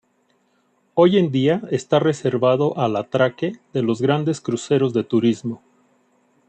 Hoy en día está reservado al atraque de los grandes cruceros de turismo.